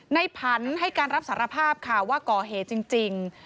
ผันให้การรับสารภาพค่ะว่าก่อเหตุจริง